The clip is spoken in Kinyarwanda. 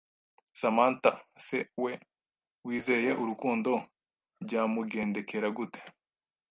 Samanta se we wizeye urukundo byamugendekera gute.